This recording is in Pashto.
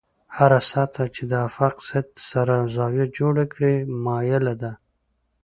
هره سطحه چې د افق سطحې سره زاویه جوړه کړي مایله ده.